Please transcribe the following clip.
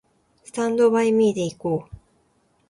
スタンドバイミーで行こう